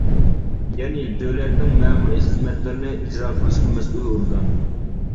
يەنى دۆلەتنىڭ مەمۇرى خىزمەتلىرىنى ئىجرا قىلىشقا مەسئۇل ئورگان.